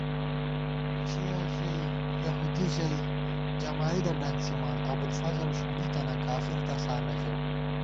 شِیَہ ژَئی، یہودی ژَئی، جمائیدہ ڈنڅِمان * ابوالفضل ݭُونڈی تنہ، کافر تساں نہ ژَؤ